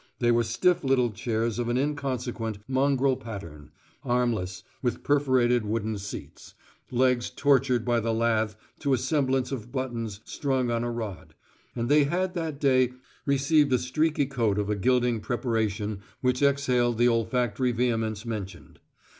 They were stiff little chairs of an inconsequent, mongrel pattern; armless, with perforated wooden seats; legs tortured by the lathe to a semblance of buttons strung on a rod; and they had that day received a streaky coat of a gilding preparation which exhaled the olfactory vehemence mentioned.